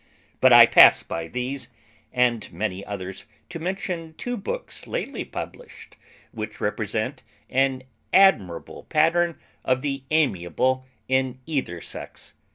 But I pass by these and many others to mention two books lately published, which represent an admirable pattern of the amiable in either sex.